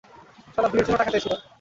শালা, বিয়ের জন্য টাকা চাইছিলাম।